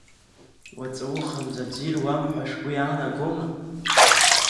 Уаҵәы ауханӡа аӡы ируам ҳәа шәгәы иаанагома?